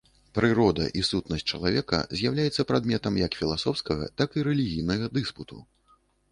Прырода і сутнасць чалавека з'яўляецца прадметам як філасофскага, так і рэлігійнага дыспуту.